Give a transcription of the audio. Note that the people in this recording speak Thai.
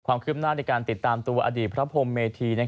ความคืบหน้าในการติดตามตัวอดีตพระพรมเมธี